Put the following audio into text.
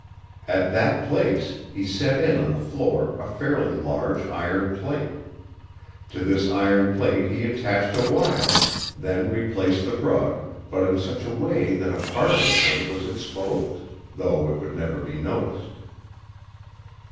At that place he set in on the floor a fairly large iron plate. To this iron plate he attached a wire, then replaced the rug, but in such a way that a part of the plate was exposed, though it would never be noticed.